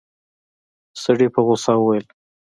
سړي په غوسه وويل.